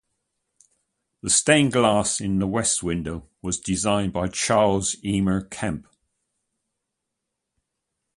The stained glass in the west window was designed by Charles Eamer Kempe.